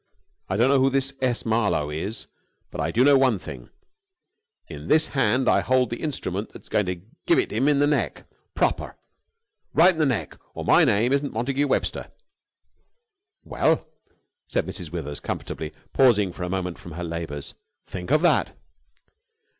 I don't know who this S. Marlowe is, but I do know one thing; in this hand I hold the instrument that's going to give it him in the neck, proper! Right in the neck, or my name isn't Montagu Webster!" "Well!" said Mrs. Withers comfortably, pausing for a moment from her labours. "Think of that!"